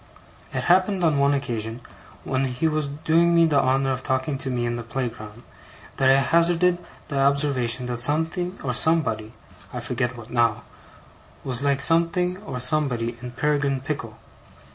It happened on one occasion, when he was doing me the honour of talking to me in the playground, that I hazarded the observation that something or somebody I forget what now was like something or somebody in Peregrine Pickle.